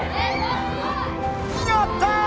やった！